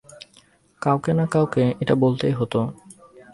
কাউকে না কাউকে এটা বলতেই হতো।